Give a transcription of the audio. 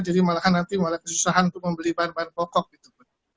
malahan nanti malah kesusahan untuk membeli bahan bahan pokok gitu